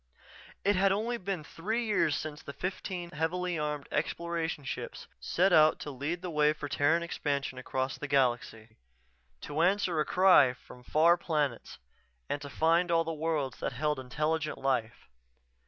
It had been only three years since the fifteen heavily armed Exploration ships set out to lead the way for Terran expansion across the galaxy; to answer a cry from far planets, and to find all the worlds that held intelligent life.